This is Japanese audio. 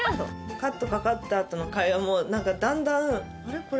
カットかかった後の会話も何かだんだん「あれ？